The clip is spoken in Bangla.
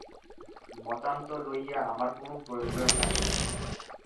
মতান্তর লইয়া আমার কোন প্রয়োজন নাই।